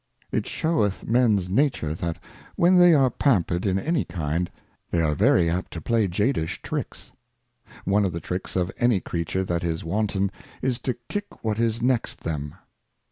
Prospe IT sheweth Mens Nature, that when they are pampered in any kind, they are very apt to play jadish Tricks. One of the Tricks of any Creature that is wanton, is to kick what is next them.